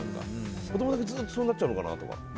子供だけずっとそうなっちゃうのかなとか。